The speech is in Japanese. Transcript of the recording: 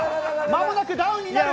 まもなくダウンになる。